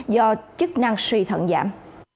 do chức năng suy thận giảm